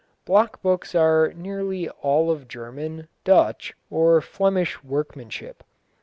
Block books are nearly all of German, Dutch, or Flemish workmanship.